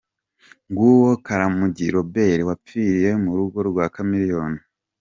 Nguwo Karamagi Robert wapfiriye mu rugo rwa Chameleone.